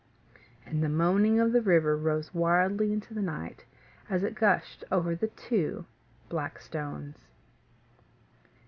And the moaning of the river rose wildly into the night, as it gushed over the Two Black Stones.